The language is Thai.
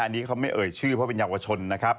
อันนี้เขาไม่เอ่ยชื่อเพราะเป็นเยาวชนนะครับ